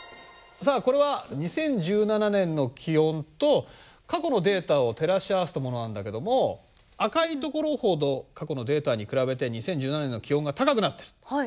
さあこれは２０１７年の気温と過去のデータを照らし合わせたものなんだけども赤いところほど過去のデータに比べて２０１７年の気温が高くなっている。